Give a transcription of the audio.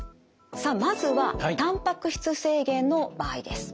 さあまずはたんぱく質制限の場合です。